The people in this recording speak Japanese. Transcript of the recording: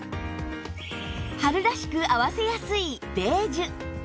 春らしく合わせやすいベージュ